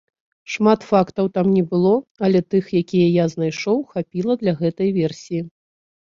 Шмат фактаў там не было, але тых, якія я знайшоў, хапіла для гэтай версіі.